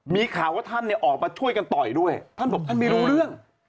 มีข่าวว่าท่านเนี่ยออกมาช่วยกันต่อยด้วยท่านบอกท่านไม่รู้เรื่อง